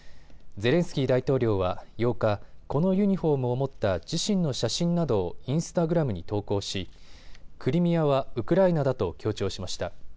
ゼレンスキー大統領は８日、このユニフォームを持った自身の写真などをインスタグラムに投稿しクリミアはウクライナだと強調しました。